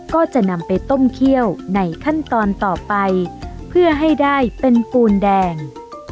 ก็จะนำไปต้มเคี่ยวในขั้นตอนต่อไปเพื่อให้ได้เป็นปูนแดง